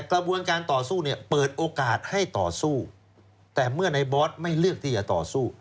เลือกที่จะต่อสู้